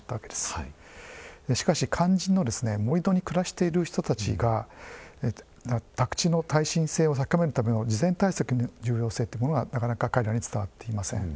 しかし肝心の盛土に暮らしている人たちが宅地の耐震性を高めるための事前対策の重要性というものがなかなか彼らに伝わっていません。